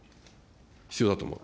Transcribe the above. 必要だと思う。